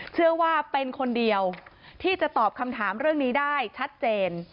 เชื่อว่าเป็นคนเดียวที่จะตอบคำถามเรื่องนี้ได้ชัดเจน